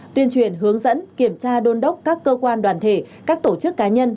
tuyên truyền hướng dẫn kiểm tra đôn đốc các cơ quan đoàn thể các tổ chức cá nhân